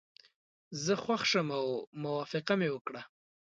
زه خوښ شوم او موافقه مې وکړه.